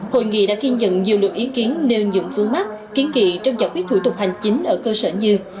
hội nghị đã ghi nhận nhiều lượng ý kiến nêu dụng phương mắc kiến kỵ trong giải quyết thủ tục hành chính ở cơ sở như